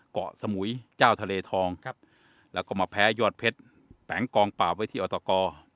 เกาะสมุยเจ้าทะเลทองครับแล้วก็มาแพ้ยอดเพชรแปงกองปราบไว้ที่อตก